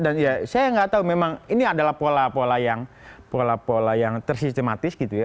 dan ya saya gak tau memang ini adalah pola pola yang tersistematis gitu ya